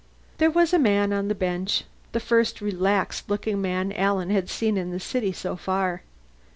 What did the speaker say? There was a man on the bench the first relaxed looking man Alan had seen in the city so far.